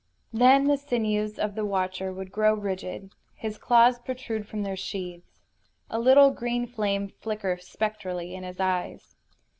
Then the sinews of the watcher would grow rigid, his claws protrude from their sheaths, a little green flame flicker spectrally in his eyes.